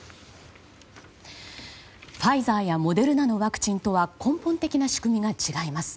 ファイザーやモデルナのワクチンとは根本的な仕組みが違います。